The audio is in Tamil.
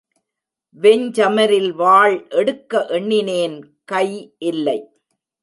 வெஞ்சமரில் வாள் எடுக்க எண்ணினேன் கை இல்லை.